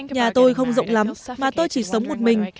nhà tôi không rộng lắm mà tôi chỉ sống một mình